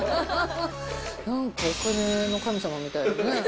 なんかお金の神様みたいだね。